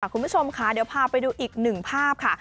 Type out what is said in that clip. คุณผู้ชมค่ะเดี๋ยวพาไปดูอีกหนึ่งภาพค่ะ